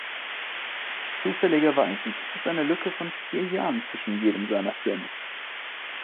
Zufälligerweise gibt es eine Lücke von vier Jahren zwischen jedem seiner Filme.